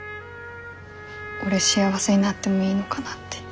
俺幸せになってもいいのかなって。